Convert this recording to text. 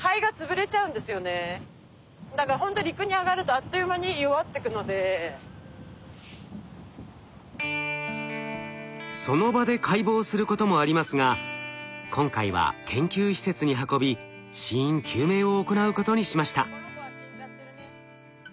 やっぱ多分胎児がいたのかその場で解剖することもありますが今回は研究施設に運び死因究明を行うことにしました。